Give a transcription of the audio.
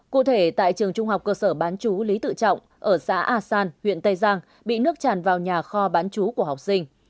cụ thể tại trường trung học cơ sở bán chú lý tự trọng ở xã a san huyện tây giang bị nước tràn vào nhà kho bán chú của học sinh